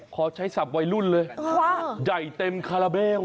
ขอใช้ศัพท์วัยรุ่นเลยใหญ่เต็มคาราเบล